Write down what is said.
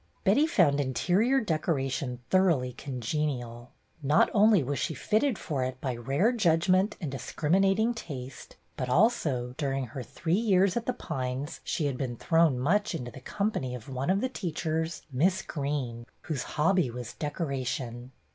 Betty found interior decoration thoroughly congenial. Not only was she fitted for it by rare judgment and discriminating taste, but also, during her three years at ' The Pines,' she had been thrown much into the company of one of the teachers. Miss Greene, whose hobby was decoration.